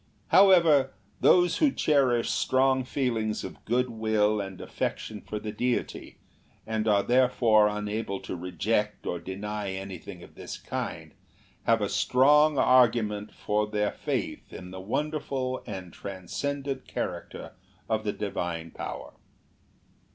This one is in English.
However, those who cherish strong feelings of good will and affec tion for the Deity, and are therefore unable to reject or deny anything of this kind, have a strong argu ment for their faith in the wonderful and transcend ent character of the divine power.